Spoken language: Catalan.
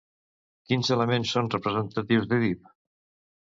Quins elements són representatius d'Èdip?